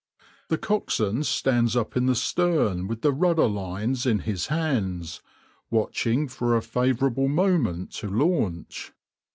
The coxswain stands up in the stern with the rudder lines in his hands, watching for a favourable moment to launch.